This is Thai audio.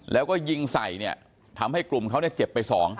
แล้วก็ยิงใส่เนี่ยทำให้กลุ่มเขาเนี่ยเจ็บไป๒